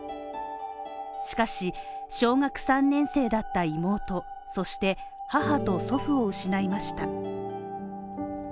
しかし、小学３年生だった妹、そして母と祖父を失いました。